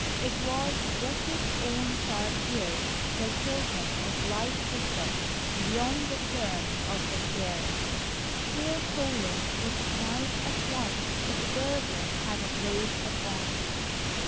It was Geoffrey's own sharp ears that told him of light footsteps beyond the turn of the stairs. Here Holland recognised at once that the burglar had a great advantage.